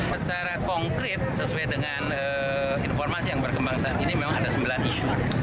secara konkret sesuai dengan informasi yang berkembang saat ini memang ada sembilan isu